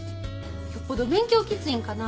よっぽど勉強きついんかなあ？